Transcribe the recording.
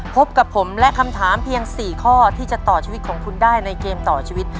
พบกับผมและคำถามเพียง๔ข้อที่จะต่อชีวิตของคุณได้ในเกมต่อชีวิต